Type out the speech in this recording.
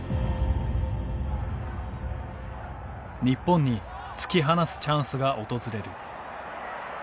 日本に突き放すチャンスが訪れる。